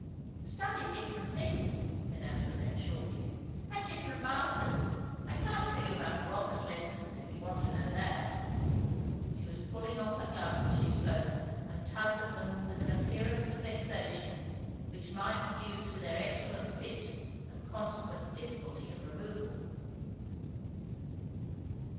"Studied different things," said Antoinette shortly. "Had different masters. I can't tell you about Rotha's lessons, if you want to know that." She was pulling off her gloves as she spoke, and tugged at them with an appearance of vexation, which might be due to their excellent fit and consequent difficulty of removal.